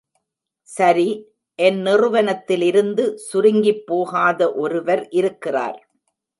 சரி, என் நிறுவனத்திலிருந்து சுருங்கிப் போகாத ஒருவர் இருக்கிறார்!